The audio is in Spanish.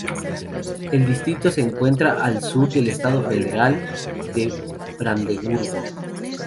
El distrito se encuentra al sur del estado federal de Brandeburgo.